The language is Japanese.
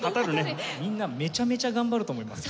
みんなめちゃめちゃ頑張ると思います。